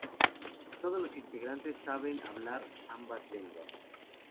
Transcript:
Todos los integrantes saben hablar ambas lenguas.